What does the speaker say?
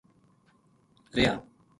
رہیا